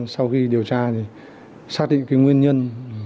sau khi điều tra thì xác định cái nguyên nhân